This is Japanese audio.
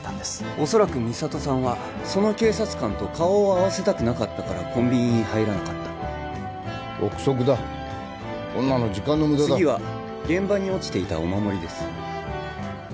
おそらく美里さんはその警察官と顔を合わせたくなかったからコンビニに入らなかった臆測だこんなの時間の無駄だ次は現場に落ちていたお守りです